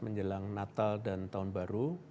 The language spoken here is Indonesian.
menjelang natal dan tahun baru